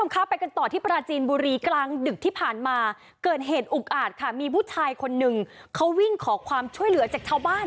ค่ะไปกันต่อที่ปราจีนบุรีกลางดึกที่ผ่านมาเกิดเหตุอุกอาจค่ะมีผู้ชายคนหนึ่งเขาวิ่งขอความช่วยเหลือจากชาวบ้าน